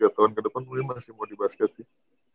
tiga tahun ke depan mungkin masih mau di basket sih